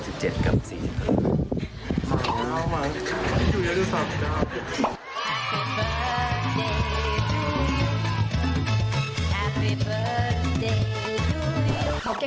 เดี๋ยวรอเกะกราบเมิสเดย์นะคะ